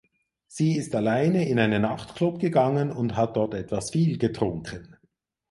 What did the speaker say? Sie ist alleine in einen Nachtclub gegangen und hat dort etwas viel getrunken.